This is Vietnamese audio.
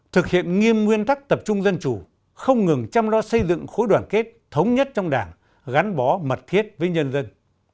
thực hiện nghiêm nguyên tắc tập trung dân chủ không ngừng chăm lo xây dựng khối đoàn kết thống nhất trong đảng gắn bó mật thiết với nhân dân